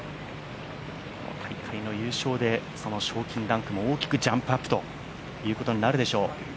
大会での優勝で賞金ランクも大きくジャンプアップということになるでしょう。